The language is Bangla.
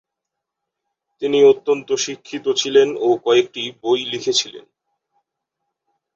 তিনি অত্যন্ত শিক্ষিত ছিলেন ও কয়েকটি বই লিখেছিলেন।